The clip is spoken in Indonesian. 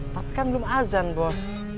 tapi kan belum azan bos